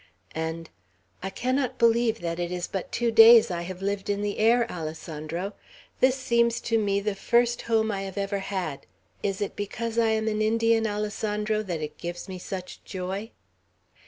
And, "I cannot believe that it is but two days I have lived in the air, Alessandro. This seems to me the first home I have ever had. Is it because I am Indian, Alessandro, that it gives me such joy?"